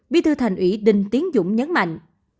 bí thư thành ủy đình tiến dũng nhấn mạnh